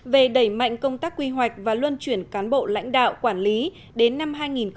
về đẩy mạnh công tác quy hoạch và luân chuyển cán bộ lãnh đạo quản lý đến năm hai nghìn ba mươi